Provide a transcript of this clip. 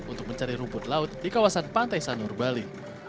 untuk mencari rumput laut di kawasan pantai sanur bali